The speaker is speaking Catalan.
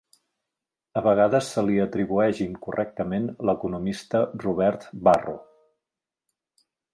A vegades se li atribueix incorrectament l'economista Robert Barro.